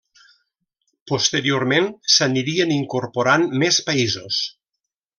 Posteriorment s'anirien incorporant més països.